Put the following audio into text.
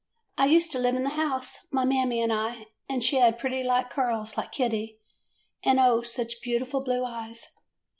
'I used to live in the house, my Mammy and I, and she had pretty light curls like Kitty, and oh, such beau tiful blue eyes.